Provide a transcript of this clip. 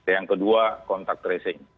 yang kedua kontak tracing